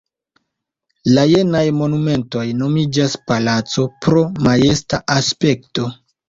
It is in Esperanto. La jenaj monumentoj nomiĝas "palaco" pro majesta aspekto.